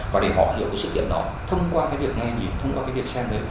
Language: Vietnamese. và để họ hiểu cái sự kiện đó thông qua cái việc nghe nhìn thông qua cái việc xem đấy